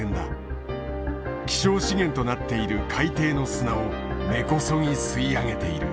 希少資源となっている海底の砂を根こそぎ吸い上げている。